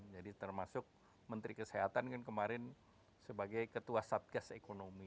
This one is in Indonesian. jadi termasuk menteri kesehatan yang kemarin sebagai ketua satkes ekonomi